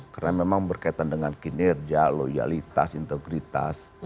karena memang berkaitan dengan kinerja loyalitas integritas